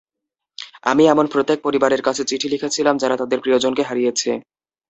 আমি এমন প্রত্যেক পরিবারের কাছে চিঠি লিখেছিলাম যারা তাদের প্রিয়জনকে হারিয়েছে।